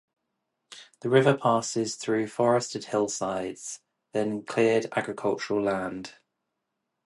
The river passes through forested hillsides, then cleared agricultural land.